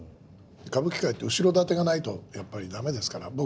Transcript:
歌舞伎界って後ろ盾がないとやっぱりダメですから。